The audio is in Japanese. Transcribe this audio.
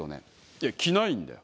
いや着ないんだよ。